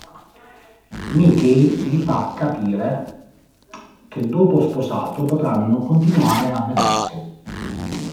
Mickey gli fa capire che dopo sposato potranno continuare a vedersi.